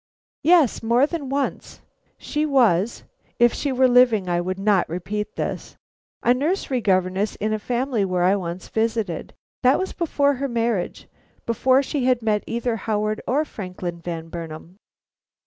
"Yes, more than once. She was if she were living I would not repeat this a nursery governess in a family where I once visited. That was before her marriage; before she had met either Howard or Franklin Van Burnam."